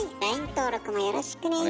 登録もよろしくね。